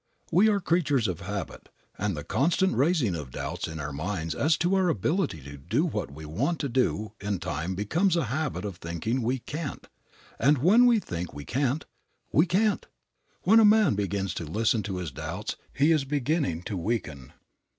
We are creatures of habit, and the constant raising of doubts in our minds as to our ability to do what we want to do in time becomes a habit of thinking we can't, and when we think we can't, we can't. When a man begins to listen to his doubts he is beginning to weaken.